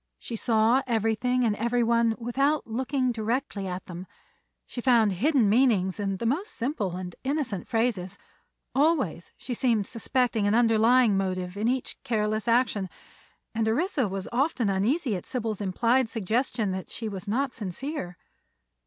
She saw everything and everyone without looking directly at them; she found hidden meanings in the most simple and innocent phrases; always she seemed suspecting an underlying motive in each careless action, and Orissa was often uneasy at Sybil's implied suggestion that she was not sincere.